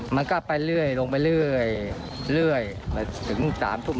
มันก็ไปเรื่อยลงไปเรื่อยเรื่อยถึง๓ทุ่มหรือ๔ทุ่ม